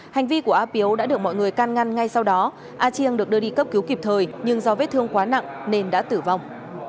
hành vi của a píu đã được mọi người can ngăn ngay sau đó a chiêng được đưa đi cấp cứu kịp thời nhưng do vết thương quá nặng nên đã tử vong